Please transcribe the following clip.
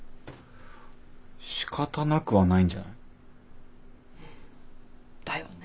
しかたなくはないんじゃない？だよね。